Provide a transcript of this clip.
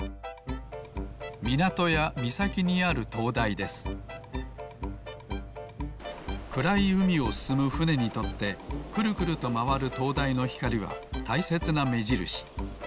みなとやみさきにあるとうだいですくらいうみをすすむふねにとってくるくるとまわるとうだいのひかりはたいせつなめじるし。